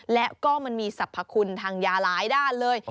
และก็มันมีสรรพคุณทางยาหลายด้านเลย